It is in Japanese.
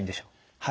はい。